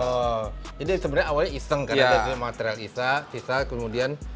oh ini sebenarnya awalnya iseng karena ada material sisa kemudian